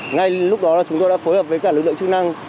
ngay lúc đó chúng tôi đã phối hợp với cả lực lượng chức năng